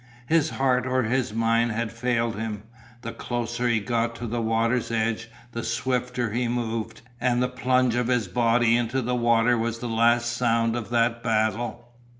His heart or his mind had failed him. The closer he got to the water's edge the swifter he moved and the plunge of his body into the water was the last sound of that battle.